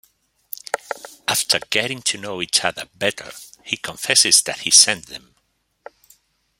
After getting to know each other better, he confesses that he sent them.